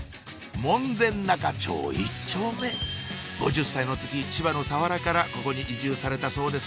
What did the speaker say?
門前仲町１丁目５０歳の時千葉の佐原からここに移住されたそうです